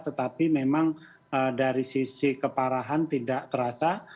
tetapi memang dari sisi keparahan tidak terasa